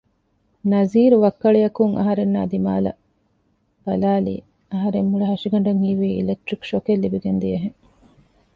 ނަޒީރު ވައްކަޅިއަކުން އަހަރެންނާ ދިމާއަށް ބަލައިލިއެވެ އަހަރެންގެ މުޅި ހަށިގަނޑަށް ހީވީ އިލެކްޓްރިކް ޝޮކެއް ލިބިގެން ދިޔަހެން